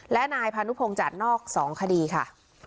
และนายพานุพงศ์จัดนอก๒คดีค่ะ